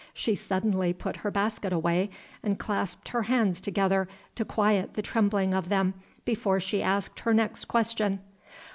She suddenly put her basket away, and clasped her hands together to quiet the trembling of them, before she asked her next question.